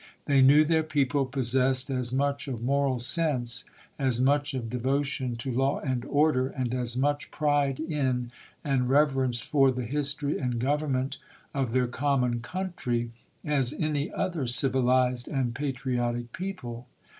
They knew their people possessed as much of moral sense, as much of devotion to law and order, and as much pride in, and reverence for, the history and Government of their common country as any other civilized and pa triotic people.